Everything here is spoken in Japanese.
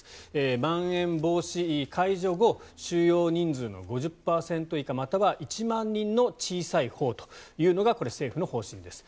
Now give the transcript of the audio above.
まん延防止解除後収容人数の５０％以下または１万人の小さいほうというのが政府の方針です。